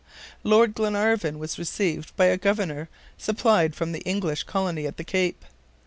Lord Glenarvan was received by a governor supplied from the English colony at the Cape.